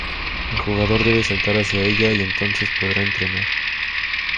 El jugador debe saltar hacia ella, y entonces podrá entrar.